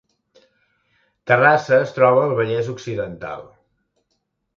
Terrassa es troba al Vallès Occidental